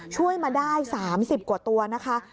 ช่วยมาได้๓๐กว่าตัวนะคะ